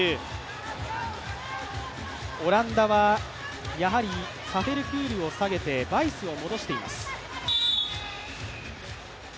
オランダはやはりサフェルクールを下げてバイスを戻しています。